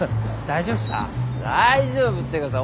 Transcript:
大丈夫ってかさ。